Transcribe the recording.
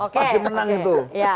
masih menang itu